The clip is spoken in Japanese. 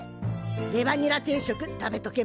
レバニラ定食食べとけば？